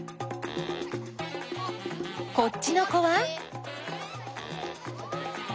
こっちの子は？